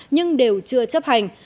nhưng đều chưa chấp hành